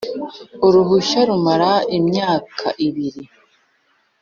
uruhushya rumara imyaka ibiri